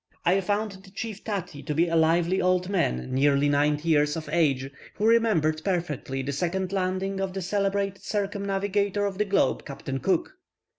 I found the chief Tati to be a lively old man nearly ninety years of age, who remembered perfectly the second landing of the celebrated circumnavigator of the globe, Captain Cook.